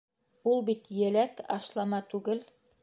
— Ул бит еләк, ашлама түгел.